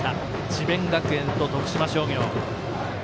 智弁学園と徳島商業。